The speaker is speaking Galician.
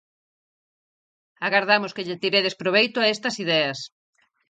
Agardamos que lle tiredes proveito a estas ideas!